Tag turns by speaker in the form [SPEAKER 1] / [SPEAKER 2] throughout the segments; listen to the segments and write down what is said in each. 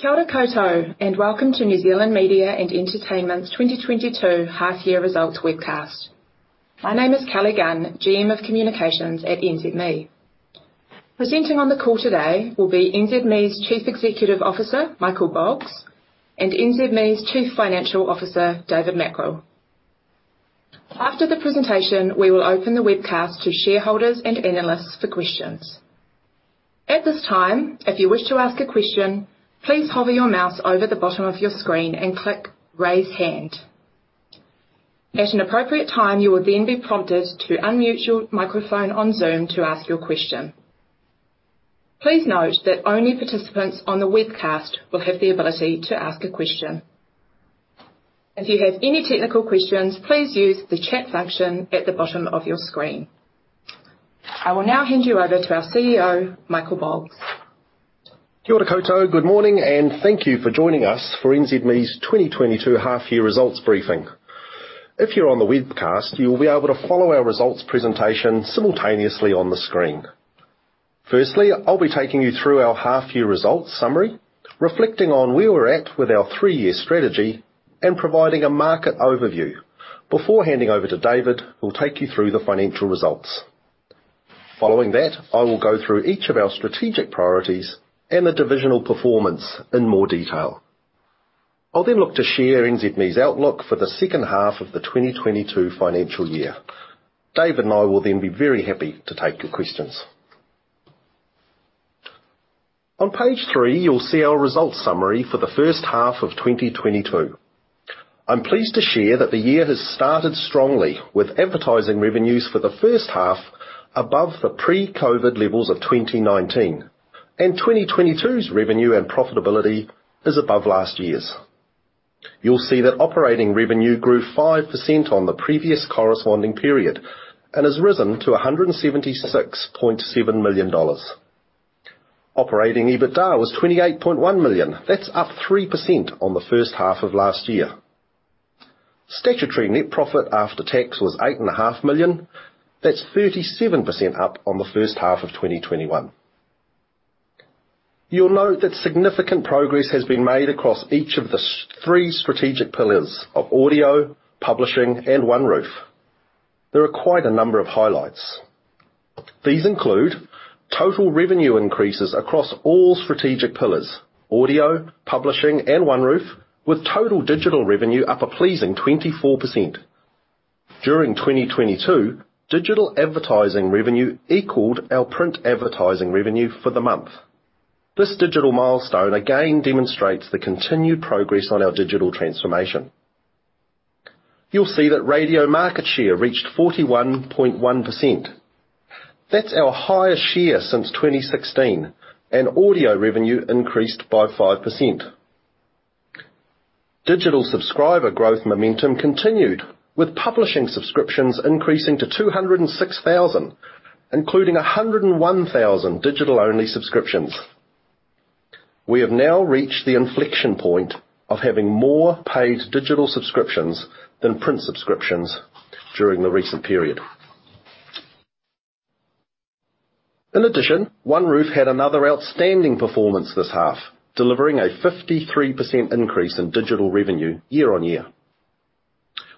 [SPEAKER 1] Kia ora koutou, and welcome to New Zealand Media and Entertainment's 2022 half-year results webcast. My name is Kelly Gunn, GM of Communications at NZME. Presenting on the call today will be NZME's Chief Executive Officer, Michael Boggs, and NZME's Chief Financial Officer, David Mackrell. After the presentation, we will open the webcast to shareholders and analysts for questions. At this time, if you wish to ask a question, please hover your mouse over the bottom of your screen and click Raise Hand. At an appropriate time, you will then be prompted to unmute your microphone on Zoom to ask your question. Please note that only participants on the webcast will have the ability to ask a question. If you have any technical questions, please use the chat function at the bottom of your screen. I will now hand you over to our CEO, Michael Boggs.
[SPEAKER 2] Kia ora koutou. Good morning, and thank you for joining us for NZME's 2022 half year results briefing. If you're on the webcast, you will be able to follow our results presentation simultaneously on the screen. Firstly, I'll be taking you through our half year results summary, reflecting on where we're at with our three-year strategy and providing a market overview before handing over to David, who will take you through the financial results. Following that, I will go through each of our strategic priorities and the divisional performance in more detail. I'll then look to share NZME's outlook for the second half of the 2022 financial year. Dave and I will then be very happy to take your questions. On page three, you'll see our results summary for the first half of 2022. I'm pleased to share that the year has started strongly with advertising revenues for the first half above the pre-COVID levels of 2019. 2022's revenue and profitability is above last year's. You'll see that operating revenue grew 5% on the previous corresponding period and has risen to 176.7 million dollars. Operating EBITDA was 28.1 million. That's up 3% on the first half of last year. Statutory net profit after tax was 8.5 million. That's 37% up on the first half of 2021. You'll note that significant progress has been made across each of the three strategic pillars of Audio, Publishing, and OneRoof. There are quite a number of highlights. These include total revenue increases across all strategic pillars, Audio, Publishing, and OneRoof, with total digital revenue up a pleasing 24%. During 2022, digital advertising revenue equaled our print advertising revenue for the month. This digital milestone again demonstrates the continued progress on our digital transformation. You'll see that radio market share reached 41.1%. That's our highest share since 2016, and audio revenue increased by 5%. Digital subscriber growth momentum continued, with publishing subscriptions increasing to 206,000, including 101,000 digital-only subscriptions. We have now reached the inflection point of having more paid digital subscriptions than print subscriptions during the recent period. In addition, OneRoof had another outstanding performance this half, delivering a 53% increase in digital revenue year-on-year.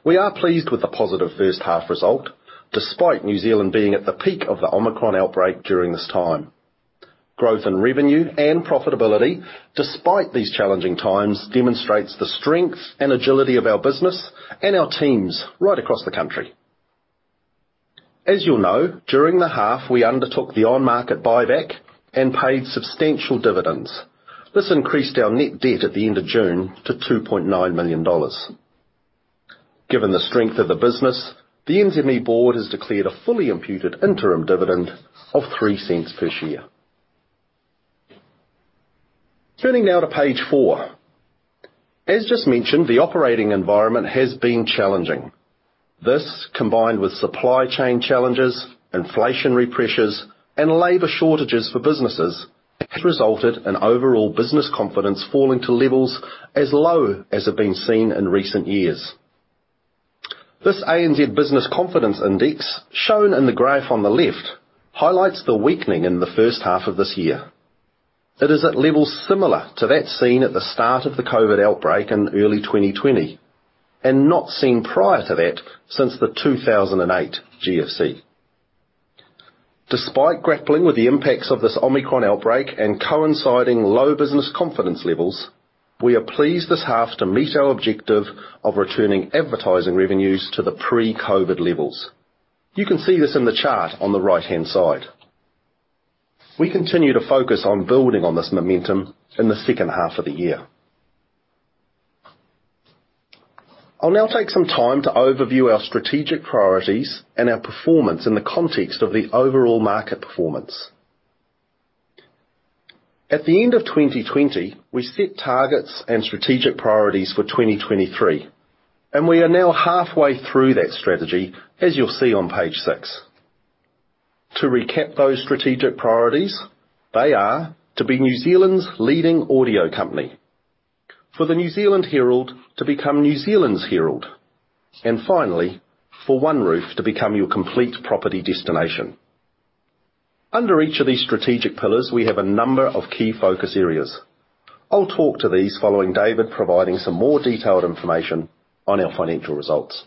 [SPEAKER 2] We are pleased with the positive first half result, despite New Zealand being at the peak of the Omicron outbreak during this time. Growth in revenue and profitability, despite these challenging times, demonstrates the strength and agility of our business and our teams right across the country. As you'll know, during the half, we undertook the on-market buyback and paid substantial dividends. This increased our net debt at the end of June to 2.9 million dollars. Given the strength of the business, the NZME board has declared a fully imputed interim dividend of 0.03 per share. Turning now to page four. As just mentioned, the operating environment has been challenging. This, combined with supply chain challenges, inflationary pressures, and labor shortages for businesses, has resulted in overall business confidence falling to levels as low as have been seen in recent years. This ANZ Business Confidence Index, shown in the graph on the left, highlights the weakening in the first half of this year. It is at levels similar to that seen at the start of the COVID outbreak in early 2020 and not seen prior to that since the 2008 GFC. Despite grappling with the impacts of this Omicron outbreak and coinciding low business confidence levels, we are pleased this half to meet our objective of returning advertising revenues to the pre-COVID levels. You can see this in the chart on the right-hand side. We continue to focus on building on this momentum in the second half of the year. I'll now take some time to overview our strategic priorities and our performance in the context of the overall market performance. At the end of 2020, we set targets and strategic priorities for 2023, and we are now halfway through that strategy, as you'll see on page six. To recap those strategic priorities, they are to be New Zealand's leading audio company, for the New Zealand Herald to become New Zealand's Herald, and finally, for OneRoof to become your complete property destination. Under each of these strategic pillars, we have a number of key focus areas. I'll talk to these following David, providing some more detailed information on our financial results.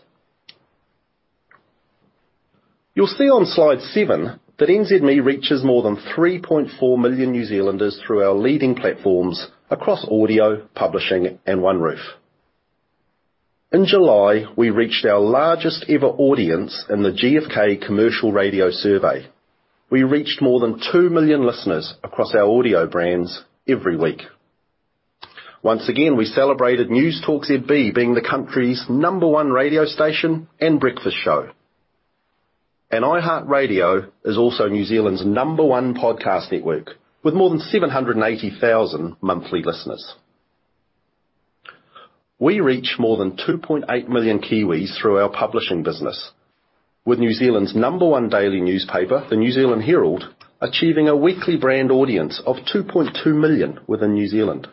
[SPEAKER 2] You'll see on slide seven that NZME reaches more than 3.4 million New Zealanders through our leading platforms across audio, publishing, and OneRoof. In July, we reached our largest ever audience in the GfK Commercial Radio survey. We reached more than two million listeners across our audio brands every week. Once again, we celebrated Newstalk ZB being the country's number one radio station and breakfast show. iHeartRadio is also New Zealand's number one podcast network, with more than 780,000 monthly listeners. We reach more than 2.8 million Kiwis through our publishing business with New Zealand's number one daily newspaper, The New Zealand Herald, achieving a weekly brand audience of 2.2 million within New Zealand.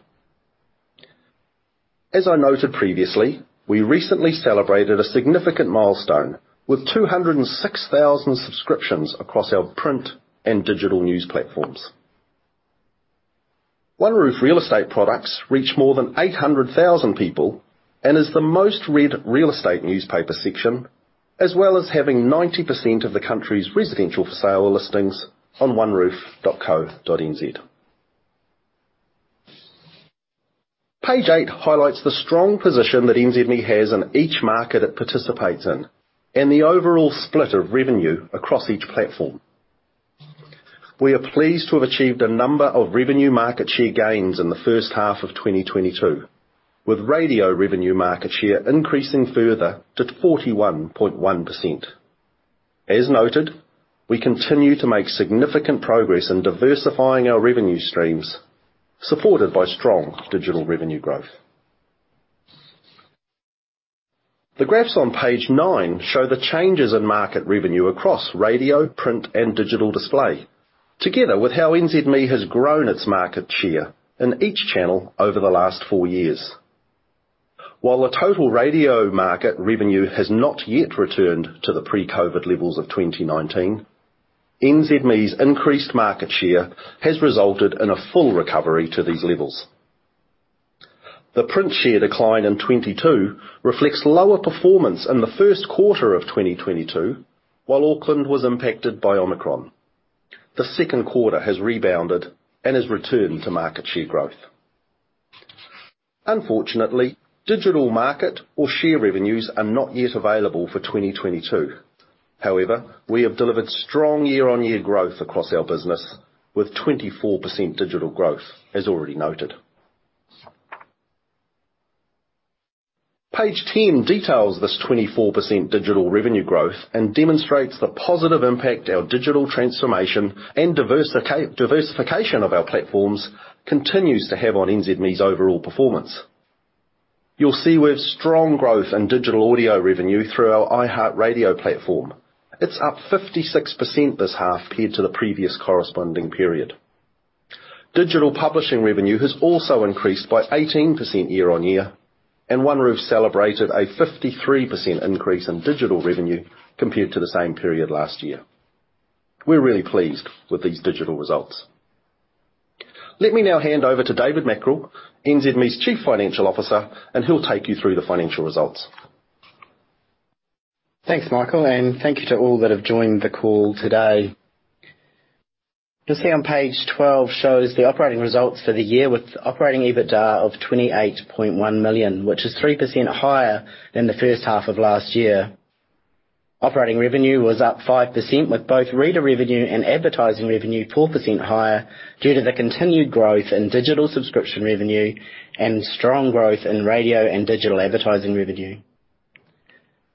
[SPEAKER 2] As I noted previously, we recently celebrated a significant milestone with 206,000 subscriptions across our print and digital news platforms. OneRoof real estate products reach more than 800,000 people and is the most-read real estate newspaper section, as well as having 90% of the country's residential for sale listings on OneRoof.co.nz. Page eight highlights the strong position that NZME has in each market it participates in, and the overall split of revenue across each platform. We are pleased to have achieved a number of revenue market share gains in the first half of 2022, with radio revenue market share increasing further to 41.1%. As noted, we continue to make significant progress in diversifying our revenue streams, supported by strong digital revenue growth. The graphs on page nine show the changes in market revenue across radio, print, and digital display, together with how NZME has grown its market share in each channel over the last four years. While the total radio market revenue has not yet returned to the pre-COVID levels of 2019, NZME's increased market share has resulted in a full recovery to these levels. The print share decline in 2022 reflects lower performance in the first quarter of 2022 while Auckland was impacted by Omicron. The second quarter has rebounded and has returned to market share growth. Unfortunately, digital market or share revenues are not yet available for 2022. However, we have delivered strong year-on-year growth across our business with 24% digital growth, as already noted. Page 10 details this 24% digital revenue growth and demonstrates the positive impact our digital transformation and diversification of our platforms continues to have on NZME's overall performance. You'll see we have strong growth in digital audio revenue through our iHeartRadio platform. It's up 56% this half compared to the previous corresponding period. Digital publishing revenue has also increased by 18% year-on-year, and OneRoof celebrated a 53% increase in digital revenue compared to the same period last year. We're really pleased with these digital results. Let me now hand over to David Mackrell, NZME's Chief Financial Officer, and he'll take you through the financial results.
[SPEAKER 3] Thanks, Michael, and thank you to all that have joined the call today. You'll see on page 12 shows the operating results for the year with operating EBITDA of 28.1 million, which is 3% higher than the first half of last year. Operating revenue was up 5%, with both reader revenue and advertising revenue 4% higher due to the continued growth in digital subscription revenue and strong growth in radio and digital advertising revenue.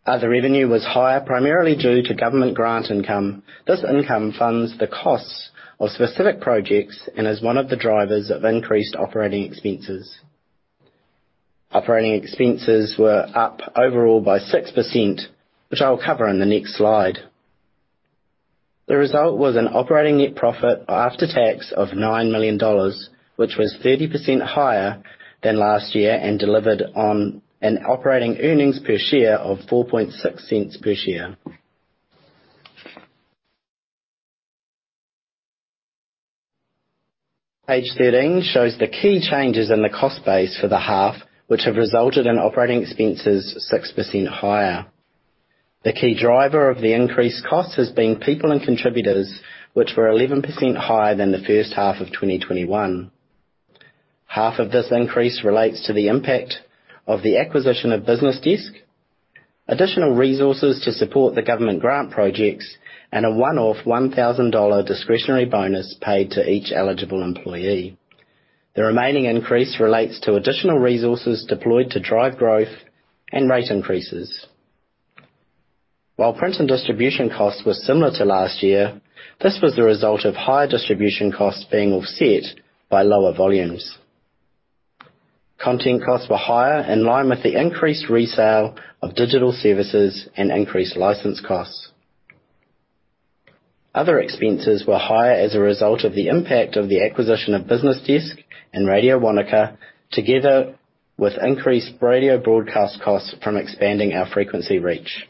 [SPEAKER 3] Other revenue was higher, primarily due to government grant income. This income funds the costs of specific projects and is one of the drivers of increased operating expenses. Operating expenses were up overall by 6%, which I'll cover in the next slide. The result was an operating net profit after tax of 9 million dollars, which was 30% higher than last year and delivered on an operating earnings per share of 0.046 per share. Page 13 shows the key changes in the cost base for the half, which have resulted in operating expenses 6% higher. The key driver of the increased cost has been people and contributors, which were 11% higher than the first half of 2021. Half of this increase relates to the impact of the acquisition of BusinessDesk, additional resources to support the government grant projects, and a one-off NZD 1,000 discretionary bonus paid to each eligible employee. The remaining increase relates to additional resources deployed to drive growth and rate increases. While print and distribution costs were similar to last year, this was the result of higher distribution costs being offset by lower volumes. Content costs were higher in line with the increased resale of digital services and increased license costs. Other expenses were higher as a result of the impact of the acquisition of BusinessDesk and Radio Wānaka together with increased radio broadcast costs from expanding our frequency reach.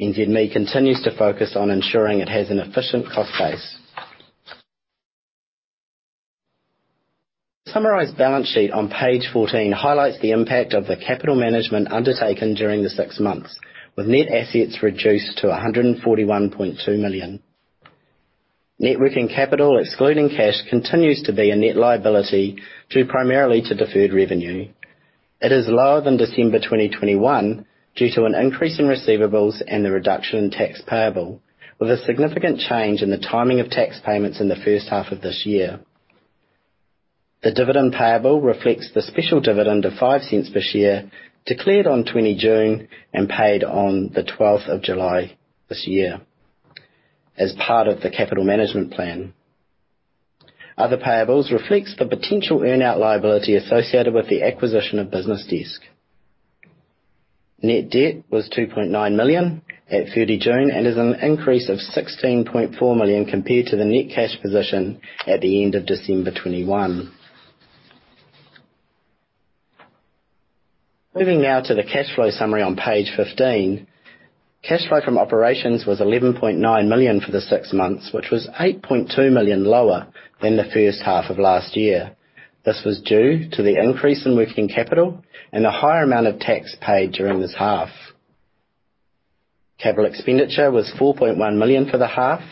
[SPEAKER 3] NZME continues to focus on ensuring it has an efficient cost base. Summarized balance sheet on page 14 highlights the impact of the capital management undertaken during the six months, with net assets reduced to 141.2 million. Net working capital, excluding cash, continues to be a net liability due primarily to deferred revenue. It is lower than December 2021 due to an increase in receivables and the reduction in tax payable, with a significant change in the timing of tax payments in the first half of this year. The dividend payable reflects the special dividend of 0.05 per share declared on 20 June and paid on 12 July this year as part of the capital management plan. Other payables reflects the potential earn-out liability associated with the acquisition of BusinessDesk. Net debt was 2.9 million at 30 June and is an increase of 16.4 million compared to the net cash position at the end of December 2021. Moving now to the cash flow summary on page 15. Cash flow from operations was 11.9 million for the six months, which was 8.2 million lower than the first half of last year. This was due to the increase in working capital and a higher amount of tax paid during this half. Capital expenditure was 4.1 million for the half,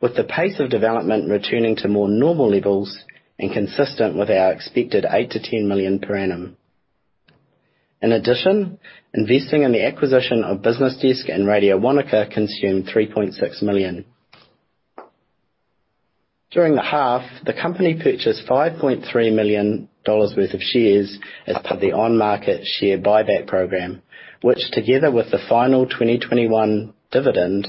[SPEAKER 3] with the pace of development returning to more normal levels and consistent with our expected 8 to 10 million per annum. In addition, investing in the acquisition of BusinessDesk and Radio Wānaka consumed 3.6 million. During the half, the company purchased 5.3 million dollars worth of shares as per the on-market share buyback program, which together with the final 2021 dividend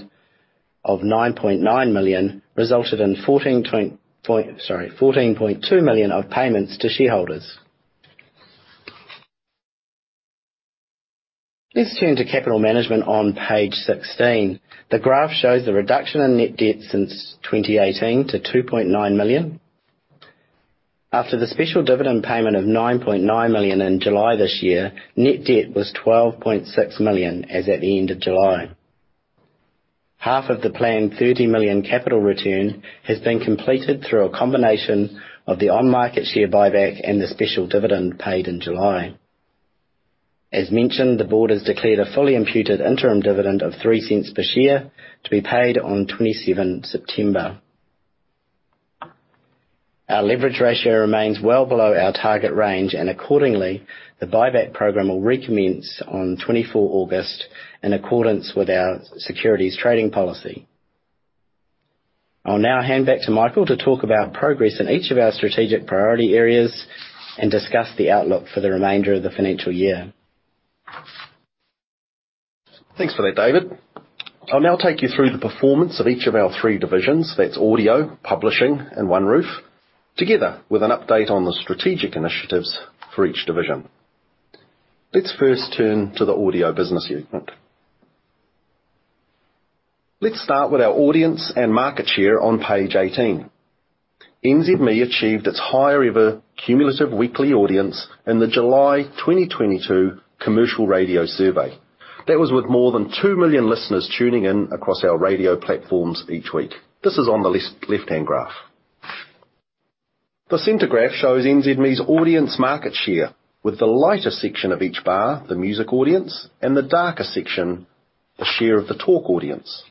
[SPEAKER 3] of 9.9 million, resulted in 14.2 million of payments to shareholders. Let's turn to capital management on page 16. The graph shows the reduction in net debt since 2018 to 2.9 million. After the special dividend payment of 9.9 million in July this year, net debt was 12.6 million as at the end of July. Half of the planned 30 million capital return has been completed through a combination of the on-market share buyback and the special dividend paid in July. As mentioned, the board has declared a fully imputed interim dividend of 0.03 per share to be paid on 27 September. Our leverage ratio remains well below our target range, and accordingly, the buyback program will recommence on 24 August in accordance with our securities trading policy. I'll now hand back to Michael to talk about progress in each of our strategic priority areas and discuss the outlook for the remainder of the financial year.
[SPEAKER 2] Thanks for that, David. I'll now take you through the performance of each of our three divisions. That's Audio, Publishing, and OneRoof, together with an update on the strategic initiatives for each division. Let's first turn to the Audio business unit. Let's start with our audience and market share on page 18. NZME achieved its highest ever cumulative weekly audience in the July 2022 commercial radio survey. That was with more than two million listeners tuning in across our radio platforms each week. This is on the left-hand graph. The center graph shows NZME's audience market share with the lighter section of each bar, the music audience, and the darker section, the share of the talk audience.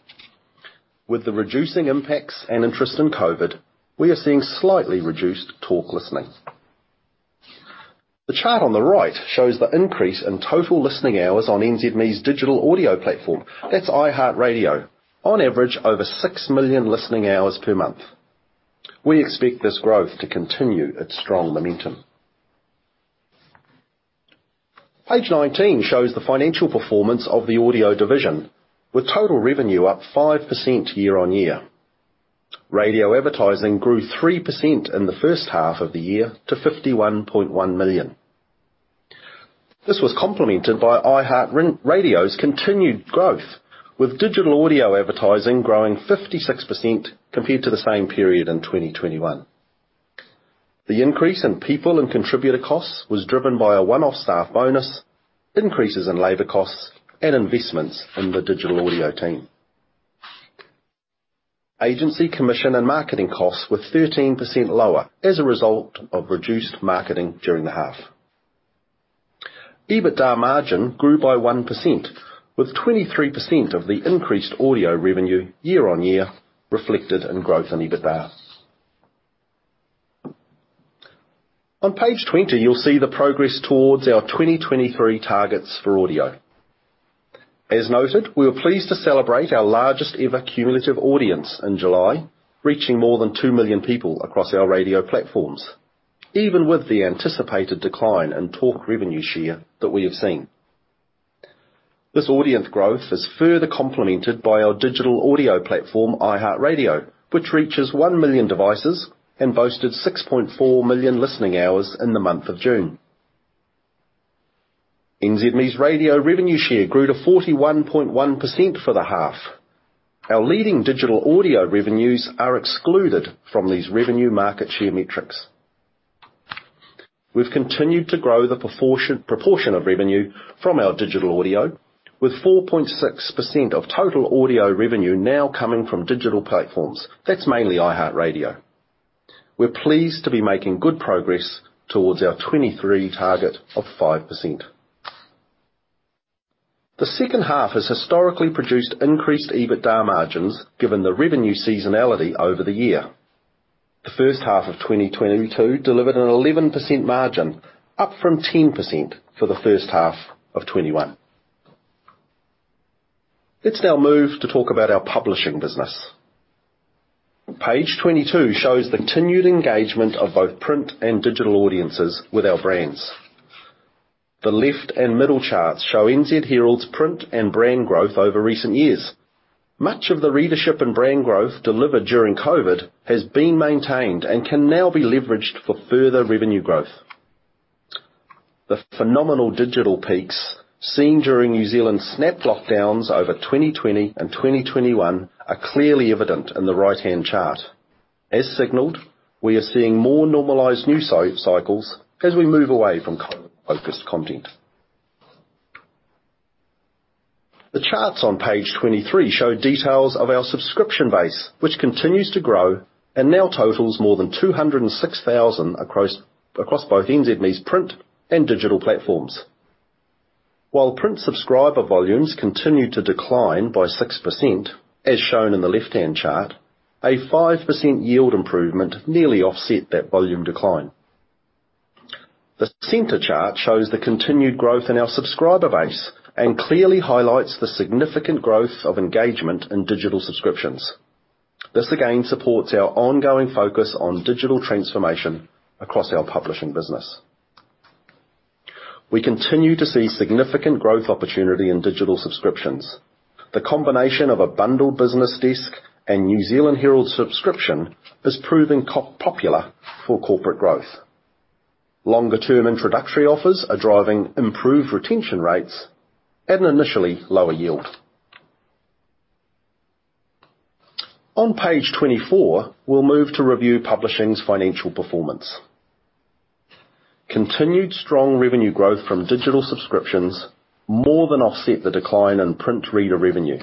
[SPEAKER 2] With the receding impacts and interest in COVID, we are seeing slightly reduced talk listening. The chart on the right shows the increase in total listening hours on NZME's digital audio platform. That's iHeartRadio. On average, over six million listening hours per month. We expect this growth to continue its strong momentum. Page 19 shows the financial performance of the Audio division, with total revenue up 5% year-on-year. Radio advertising grew 3% in the first half of the year to 51.1 million. This was complemented by iHeartRadio's continued growth, with digital audio advertising growing 56% compared to the same period in 2021. The increase in people and contributor costs was driven by a one-off staff bonus, increases in labor costs, and investments in the digital audio team. Agency commission and marketing costs were 13% lower as a result of reduced marketing during the half. EBITDA margin grew by 1%, with 23% of the increased audio revenue year-on-year reflected in growth in EBITDA. On page 20, you'll see the progress towards our 2023 targets for Audio. As noted, we were pleased to celebrate our largest ever cumulative audience in July, reaching more than two million people across our radio platforms, even with the anticipated decline in talk revenue share that we have seen. This audience growth is further complemented by our digital audio platform, iHeartRadio, which reaches one million devices and boasted 6.4 million listening hours in the month of June. NZME's radio revenue share grew to 41.1% for the half. Our leading digital audio revenues are excluded from these revenue market share metrics. We've continued to grow the proportion of revenue from our digital audio with 4.6% of total audio revenue now coming from digital platforms. That's mainly iHeartRadio. We're pleased to be making good progress towards our 2023 target of 5%. The second half has historically produced increased EBITDA margins given the revenue seasonality over the year. The first half of 2022 delivered an 11% margin, up from 10% for the first half of 2021. Let's now move to talk about our publishing business. Page 22 shows continued engagement of both print and digital audiences with our brands. The left and middle charts show NZ Herald's print and brand growth over recent years. Much of the readership and brand growth delivered during COVID has been maintained and can now be leveraged for further revenue growth. The phenomenal digital peaks seen during New Zealand snap lockdowns over 2020 and 2021 are clearly evident in the right-hand chart. As signaled, we are seeing more normalized news cycles as we move away from COVID-focused content. The charts on page 23 show details of our subscription base, which continues to grow and now totals more than 206,000 across both NZME's print and digital platforms. While print subscriber volumes continue to decline by 6%, as shown in the left-hand chart, a 5% yield improvement nearly offset that volume decline. The center chart shows the continued growth in our subscriber base and clearly highlights the significant growth of engagement in digital subscriptions. This again supports our ongoing focus on digital transformation across our publishing business. We continue to see significant growth opportunity in digital subscriptions. The combination of a bundle BusinessDesk and The New Zealand Herald subscription is proving popular for corporate growth. Longer-term introductory offers are driving improved retention rates at an initially lower yield. On page 24, we'll move to review publishing's financial performance. Continued strong revenue growth from digital subscriptions more than offset the decline in print reader revenue.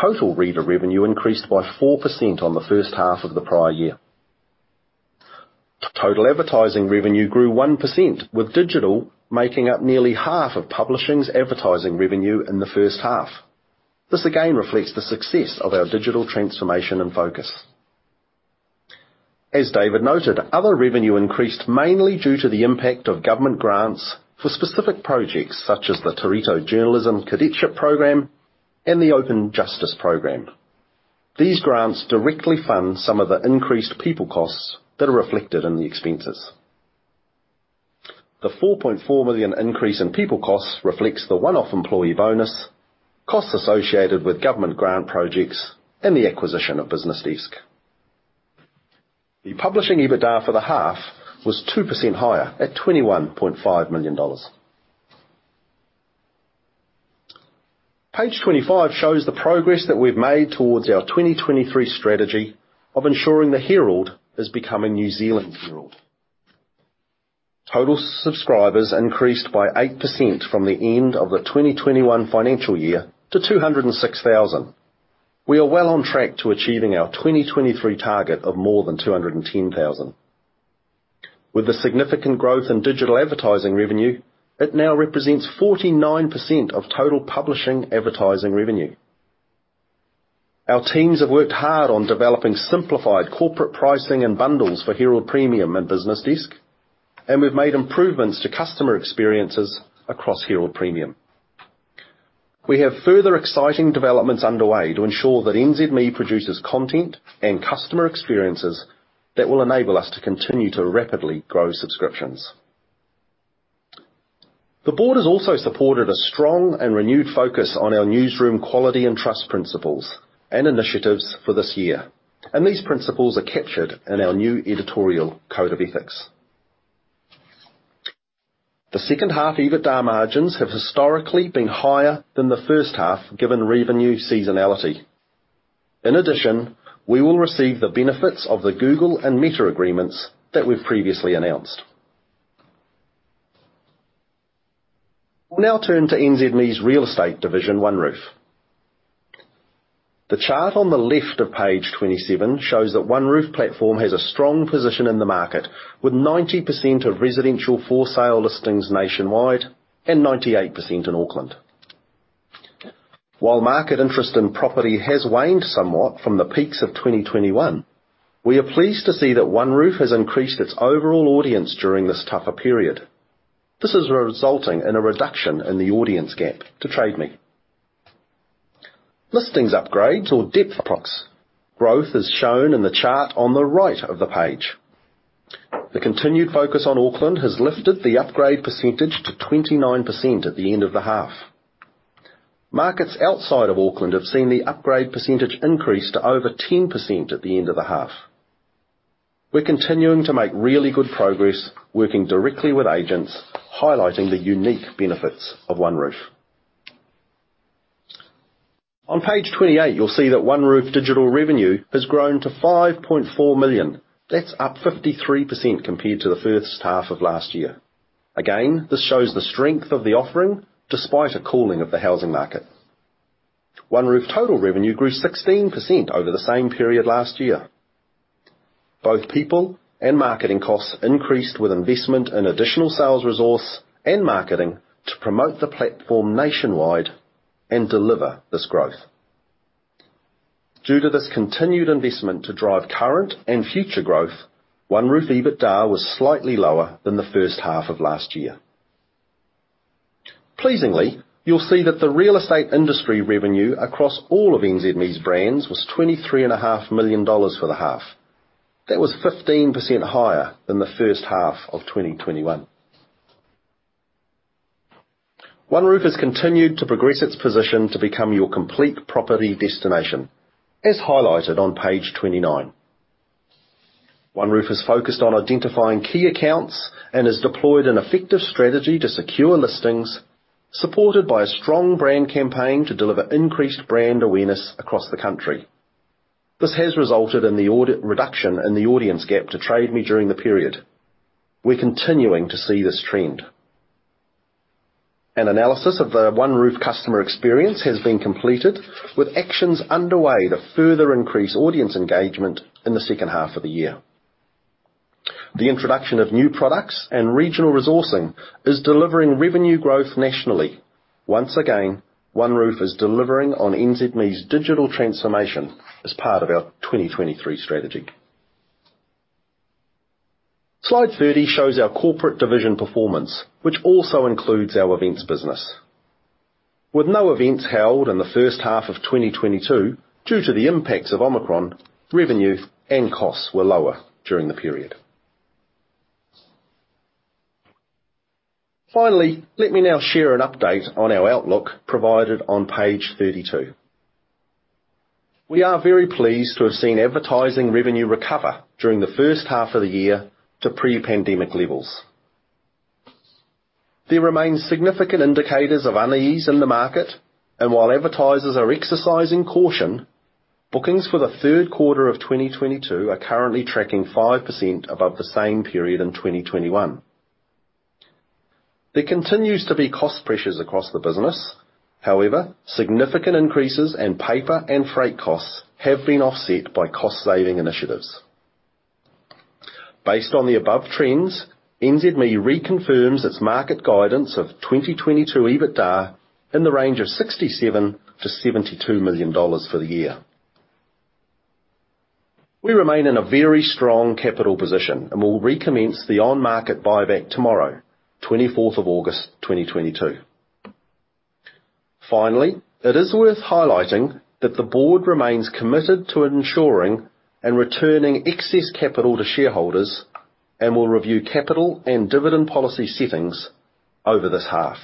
[SPEAKER 2] Total reader revenue increased by 4% on the first half of the prior year. Total advertising revenue grew 1%, with digital making up nearly half of publishing's advertising revenue in the first half. This again reflects the success of our digital transformation and focus. As David noted, other revenue increased mainly due to the impact of government grants for specific projects such as the Te Rito Journalism Project and the Open Justice program. These grants directly fund some of the increased people costs that are reflected in the expenses. The 4.4 million increase in people costs reflects the one-off employee bonus, costs associated with government grant projects, and the acquisition of BusinessDesk. The publishing EBITDA for the half was 2% higher at 21.5 million dollars. Page 25 shows the progress that we've made towards our 2023 strategy of ensuring the Herald is becoming New Zealand's Herald. Total subscribers increased by 8% from the end of the 2021 financial year to 206,000. We are well on track to achieving our 2023 target of more than 210,000. With the significant growth in digital advertising revenue, it now represents 49% of total publishing advertising revenue. Our teams have worked hard on developing simplified corporate pricing and bundles for Herald Premium and BusinessDesk, and we've made improvements to customer experiences across Herald Premium. We have further exciting developments underway to ensure that NZME produces content and customer experiences that will enable us to continue to rapidly grow subscriptions. The board has also supported a strong and renewed focus on our newsroom quality and trust principles and initiatives for this year, and these principles are captured in our new editorial code of ethics. The second half EBITDA margins have historically been higher than the first half, given revenue seasonality. In addition, we will receive the benefits of the Google and Meta agreements that we've previously announced. We'll now turn to NZME's real estate division, OneRoof. The chart on the left of page 27 shows that OneRoof platform has a strong position in the market with 90% of residential for-sale listings nationwide and 98% in Auckland. While market interest in property has waned somewhat from the peaks of 2021, we are pleased to see that OneRoof has increased its overall audience during this tougher period. This is resulting in a reduction in the audience gap to Trade Me. Listings upgrades or depth products growth is shown in the chart on the right of the page. The continued focus on Auckland has lifted the upgrade percentage to 29% at the end of the half. Markets outside of Auckland have seen the upgrade percentage increase to over 10% at the end of the half. We're continuing to make really good progress working directly with agents, highlighting the unique benefits of OneRoof. On page 28, you'll see that OneRoof digital revenue has grown to 5.4 million. That's up 53% compared to the first half of last year. Again, this shows the strength of the offering despite a cooling of the housing market. OneRoof total revenue grew 16% over the same period last year. Both people and marketing costs increased with investment in additional sales, resource, and marketing to promote the platform nationwide and deliver this growth. Due to this continued investment to drive current and future growth, OneRoof EBITDA was slightly lower than the first half of last year. Pleasingly, you'll see that the real estate industry revenue across all of NZME's brands was 23.5 million dollars for the half. That was 15% higher than the first half of 2021. OneRoof has continued to progress its position to become your complete property destination, as highlighted on page 29. OneRoof is focused on identifying key accounts and has deployed an effective strategy to secure listings, supported by a strong brand campaign to deliver increased brand awareness across the country. This has resulted in the audited reduction in the audience gap to Trade Me during the period. We're continuing to see this trend. An analysis of the OneRoof customer experience has been completed, with actions underway to further increase audience engagement in the second half of the year. The introduction of new products and regional resourcing is delivering revenue growth nationally. Once again, OneRoof is delivering on NZME's digital transformation as part of our 2023 strategy. Slide 30 shows our corporate division performance, which also includes our events business. With no events held in the first half of 2022 due to the impacts of Omicron, revenue and costs were lower during the period. Finally, let me now share an update on our outlook provided on page 32. We are very pleased to have seen advertising revenue recover during the first half of the year to pre-pandemic levels. There remains significant indicators of unease in the market, and while advertisers are exercising caution, bookings for the third quarter of 2022 are currently tracking 5% above the same period in 2021. There continues to be cost pressures across the business. However, significant increases in paper and freight costs have been offset by cost-saving initiatives. Based on the above trends, NZME reconfirms its market guidance of 2022 EBITDA in the range of 67 million to 72 million dollars for the year. We remain in a very strong capital position and will recommence the on-market buyback tomorrow, 24th of August 2022. Finally, it is worth highlighting that the board remains committed to ensuring and returning excess capital to shareholders and will review capital and dividend policy settings over this half.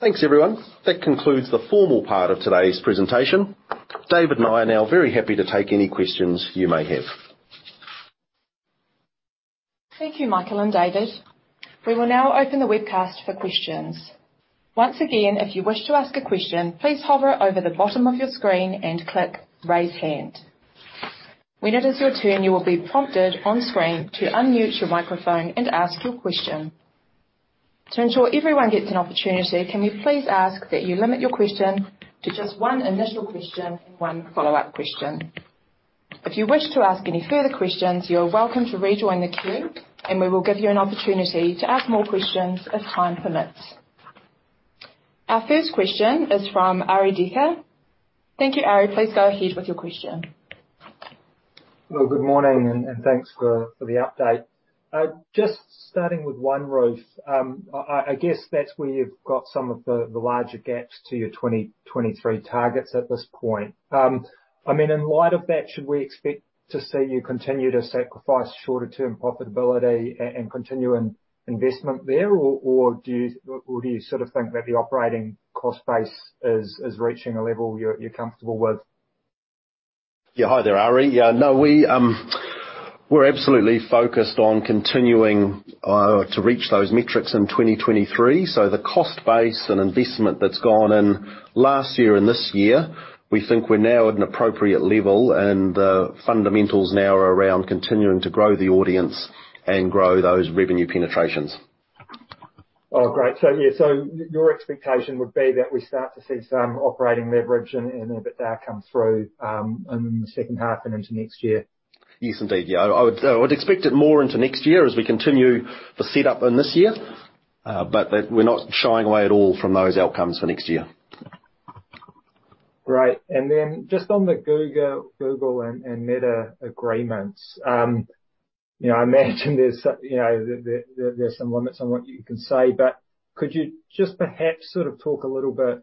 [SPEAKER 2] Thanks, everyone. That concludes the formal part of today's presentation. David and I are now very happy to take any questions you may have.
[SPEAKER 1] Thank you, Michael and David. We will now open the webcast for questions. Once again, if you wish to ask a question, please hover over the bottom of your screen and click Raise Hand. When it is your turn, you will be prompted on screen to unmute your microphone and ask your question. To ensure everyone gets an opportunity, can we please ask that you limit your question to just one initial question and one follow-up question. If you wish to ask any further questions, you're welcome to rejoin the queue, and we will give you an opportunity to ask more questions as time permits. Our first question is from Arie Dekker. Thank you, Ari. Please go ahead with your question.
[SPEAKER 4] Well, good morning and thanks for the update. Just starting with OneRoof. I guess that's where you've got some of the larger gaps to your 2023 targets at this point. I mean, in light of that, should we expect to see you continue to sacrifice shorter term profitability and continue investment there, or do you sort of think that the operating cost base is reaching a level you're comfortable with?
[SPEAKER 2] Yeah. Hi there, Arie. Yeah, no, we're absolutely focused on continuing to reach those metrics in 2023. The cost base and investment that's gone in last year and this year, we think we're now at an appropriate level. The fundamentals now are around continuing to grow the audience and grow those revenue penetrations.
[SPEAKER 4] Oh, great. Yeah, your expectation would be that we start to see some operating leverage and EBITDA come through in the second half and into next year.
[SPEAKER 2] Yes, indeed. Yeah. I would expect it more into next year as we continue the setup in this year. But we're not shying away at all from those outcomes for next year.
[SPEAKER 4] Great. Then just on the Google and Meta agreements, you know, I imagine there's some limits on what you can say, but could you just perhaps sort of talk a little bit,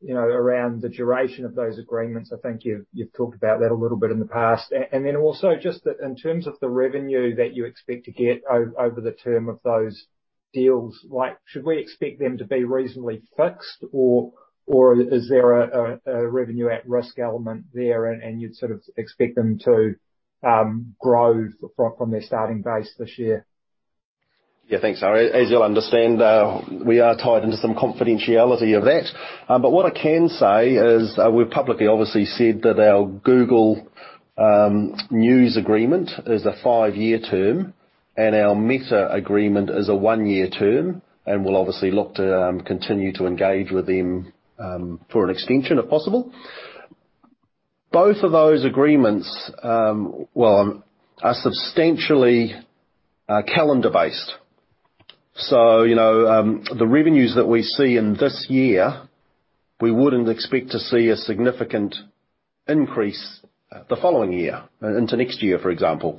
[SPEAKER 4] you know, around the duration of those agreements? I think you've talked about that a little bit in the past. Then also just the, in terms of the revenue that you expect to get over the term of those deals like, should we expect them to be reasonably fixed or is there a revenue at risk element there and you'd sort of expect them to grow from their starting base this year?
[SPEAKER 2] Yeah, thanks, Arie. As you'll understand, we are tied into some confidentiality of that. But what I can say is, we've publicly obviously said that our Google News agreement is a five-year term and our Meta agreement is a one-year term, and we'll obviously look to continue to engage with them for an extension if possible. Both of those agreements, well, are calendar-based. You know, the revenues that we see in this year, we wouldn't expect to see a significant increase the following year, into next year, for example.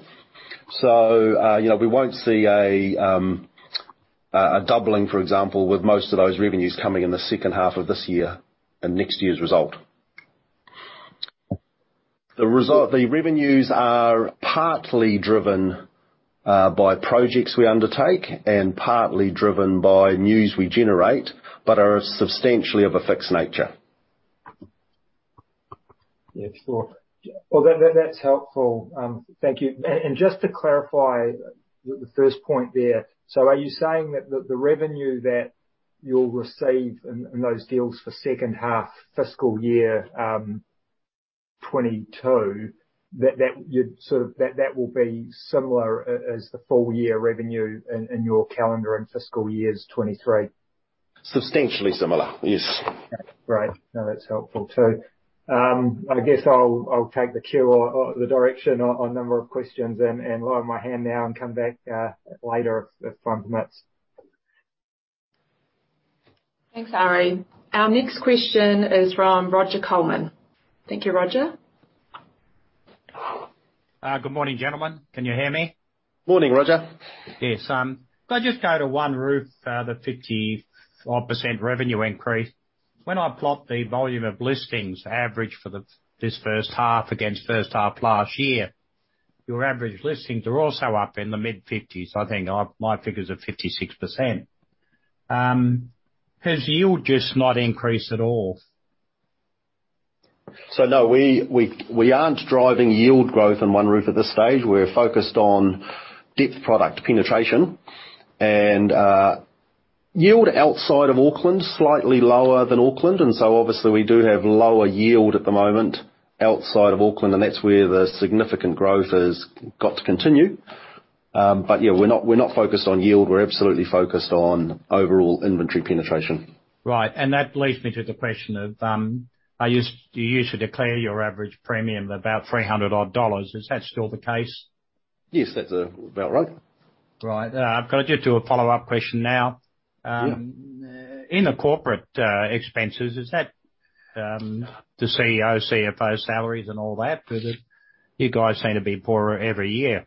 [SPEAKER 2] You know, we won't see a doubling, for example, with most of those revenues coming in the second half of this year and next year's result. The revenues are partly driven by projects we undertake and partly driven by news we generate, but are substantially of a fixed nature.
[SPEAKER 4] Yeah, sure. Well, that's helpful. Thank you. Just to clarify the first point there. Are you saying that the revenue that you'll receive in those deals for second half fiscal year 2022, that will be similar as the full year revenue in your calendar and fiscal years 2023?
[SPEAKER 2] Substantially similar, yes.
[SPEAKER 4] Great. No, that's helpful too. I guess I'll take the cue or the direction on a number of questions and lower my hand now and come back later if time permits.
[SPEAKER 1] Thanks, Arie. Our next question is from Roger Colman. Thank you, Roger.
[SPEAKER 5] Good morning, gentlemen. Can you hear me?
[SPEAKER 2] Morning, Roger.
[SPEAKER 5] Yes. Can I just go to OneRoof, the 50-odd percent revenue increase. When I plot the volume of listings average for this first half against first half last year, your average listings are also up in the mid-50s. I think my figures are 56%. Has yield just not increased at all?
[SPEAKER 2] No, we aren't driving yield growth in OneRoof at this stage. We're focused on depth product penetration. Yield outside of Auckland, slightly lower than Auckland, obviously we do have lower yield at the moment outside of Auckland, and that's where the significant growth has got to continue. Yeah, we're not focused on yield. We're absolutely focused on overall inventory penetration.
[SPEAKER 5] Right. That leads me to the question of, are you usually declare your average premium of about 300 dollars odd. Is that still the case?
[SPEAKER 2] Yes, that's about right.
[SPEAKER 5] Right. Can I do a follow-up question now?
[SPEAKER 2] Yeah.
[SPEAKER 5] In the corporate expenses, is that the CEO, CFO salaries and all that? Because you guys seem to be poorer every year.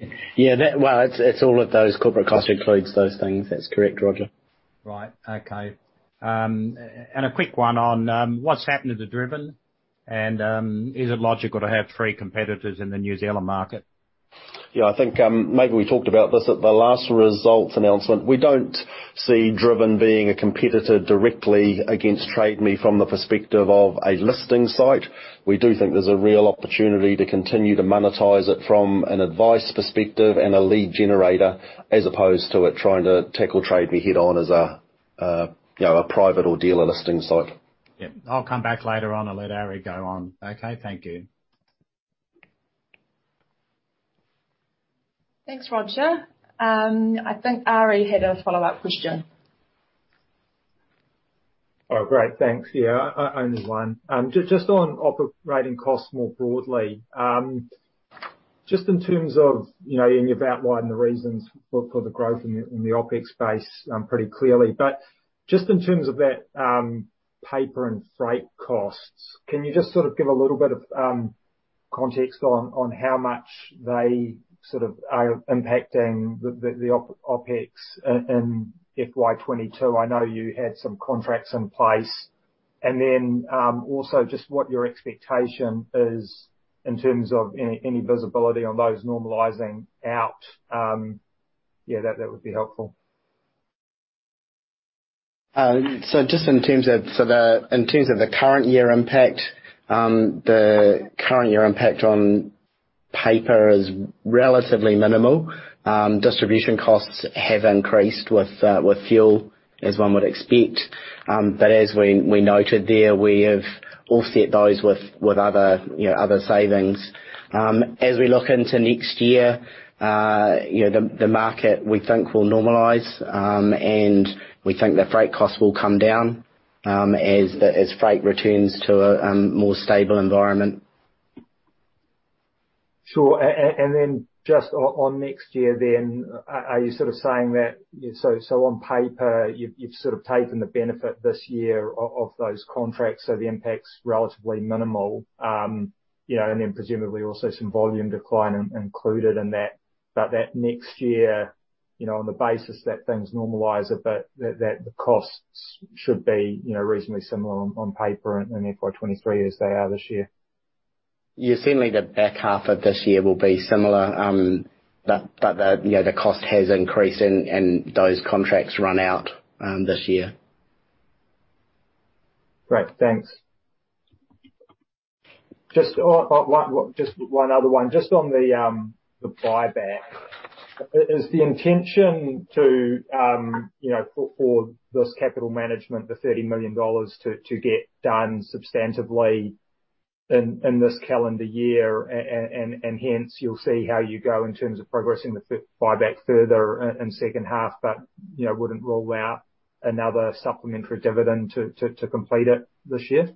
[SPEAKER 3] Well, it's all of those corporate costs includes those things. That's correct, Roger.
[SPEAKER 5] Right. Okay. A quick one on what's happened to the Driven, and is it logical to have three competitors in the New Zealand market?
[SPEAKER 2] Yeah, I think, maybe we talked about this at the last results announcement. We don't see Driven being a competitor directly against Trade Me from the perspective of a listing site. We do think there's a real opportunity to continue to monetize it from an advice perspective and a lead generator, as opposed to it trying to tackle Trade Me head on as a, you know, a private or dealer listing site.
[SPEAKER 5] Yeah. I'll come back later on and let Arie go on. Okay, thank you.
[SPEAKER 1] Thanks, Roger. I think Arie had a follow-up question.
[SPEAKER 4] Oh, great. Thanks. Yeah. Only one. Just on operating costs more broadly. Just in terms of, you know, you've outlined the reasons for the growth in the OpEx base pretty clearly. Just in terms of that, paper and freight costs, can you just sort of give a little bit of context on how much they sort of are impacting the OpEx in FY 2022? I know you had some contracts in place. Also just what your expectation is in terms of any visibility on those normalizing out. Yeah, that would be helpful. Just in terms of the current year impact, the current year impact on paper is relatively minimal. Distribution costs have increased with fuel, as one would expect.
[SPEAKER 3] As we noted there, we have offset those with other, you know, other savings. As we look into next year, you know, the market we think will normalize, and we think the freight costs will come down, as freight returns to a more stable environment.
[SPEAKER 4] Sure. Just on next year, are you sort of saying that, so on paper, you've sort of taken the benefit this year of those contracts, so the impact's relatively minimal. You know, and then presumably also some volume decline included in that. That next year, you know, on the basis that things normalize a bit, that the costs should be, you know, reasonably similar on paper in FY 2023 as they are this year.
[SPEAKER 3] Yes, certainly the back half of this year will be similar, but the, you know, the cost has increased and those contracts run out this year.
[SPEAKER 4] Great. Thanks. Just one other one. Just on the buyback. Is the intention to, you know, for this capital management, the 30 million dollars to get done substantively in this calendar year and hence you'll see how you go in terms of progressing the buyback further in second half, but, you know, wouldn't rule out another supplementary dividend to complete it this year?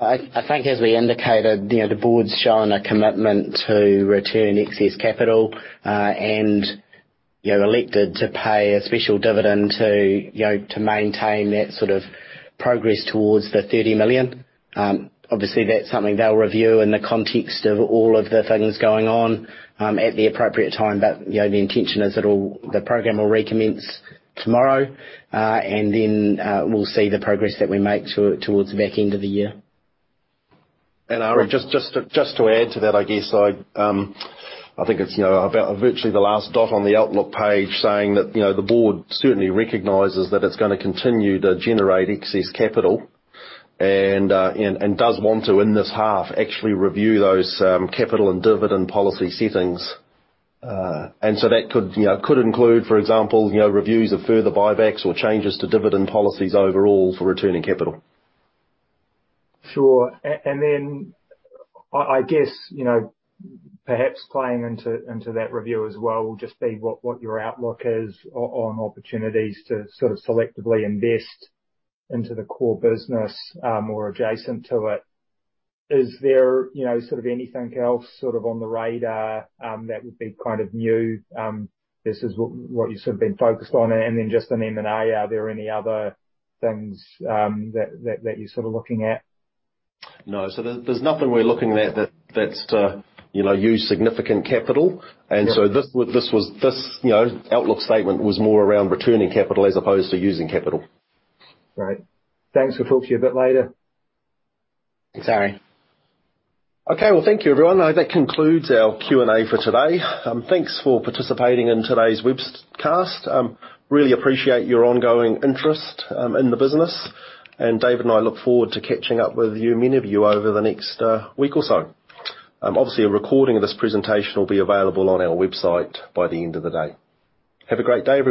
[SPEAKER 3] I think as we indicated, you know, the board's shown a commitment to return excess capital, and, you know, elected to pay a special dividend to, you know, to maintain that sort of progress towards the 30 million. Obviously, that's something they'll review in the context of all of the things going on, at the appropriate time. You know, the intention is the program will recommence tomorrow. We'll see the progress that we make towards the back end of the year.
[SPEAKER 2] Arie, just to add to that, I guess, I think it's, you know, about virtually the last dot on the outlook page saying that, you know, the board certainly recognizes that it's gonna continue to generate excess capital and does want to, in this half, actually review those capital and dividend policy settings. That could, you know, could include, for example, you know, reviews of further buybacks or changes to dividend policies overall for returning capital.
[SPEAKER 4] Sure. Then I guess, you know, perhaps playing into that review as well would just be what your outlook is on opportunities to sort of selectively invest into the core business, more adjacent to it. Is there, you know, sort of anything else sort of on the radar, that would be kind of new, this is what you've sort of been focused on? Then just an M&A, are there any other things, that you're sort of looking at?
[SPEAKER 2] No. There's nothing we're looking at that's to, you know, use significant capital.
[SPEAKER 4] Yeah.
[SPEAKER 2] This was, you know, outlook statement was more around returning capital as opposed to using capital.
[SPEAKER 4] Great. Thanks. We'll talk to you a bit later.
[SPEAKER 3] Thanks, Arie.
[SPEAKER 2] Okay. Well, thank you, everyone. That concludes our Q&A for today. Thanks for participating in today's webcast. Really appreciate your ongoing interest in the business. David and I look forward to catching up with you, many of you, over the next week or so. Obviously, a recording of this presentation will be available on our website by the end of the day. Have a great day, everyone.